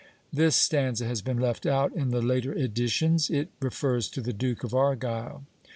[This stanza has been left out in the later editions; it refers to the Duke of Argyle.